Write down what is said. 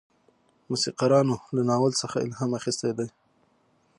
موسیقارانو له ناول څخه الهام اخیستی دی.